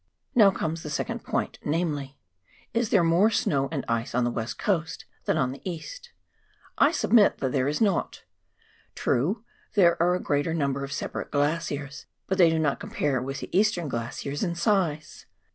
Now comes the second point, namely : Is there more sncv: and ice on the West Coast than on the East? I submit that there is not. True, there are a greater number of separate glaciers, but they do not compare with the eastern glaciers in size.